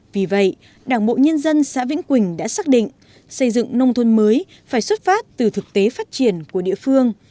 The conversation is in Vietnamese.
vì vậy đảng bộ nhân dân xã vĩnh quỳnh đã xác định xây dựng nông thôn mới phải xuất phát từ thực tế phát triển của địa phương